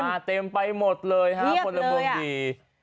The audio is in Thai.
มาเต็มไปหมดเลยค่ะเรียบเลยอ่ะคนละวงดี